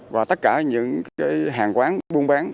và tất cả những hàng quán buôn bán